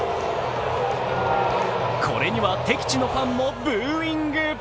これには敵地のファンもブーイング。